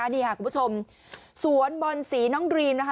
นี่ค่ะคุณผู้ชมสวนบอลสีน้องดรีมนะคะ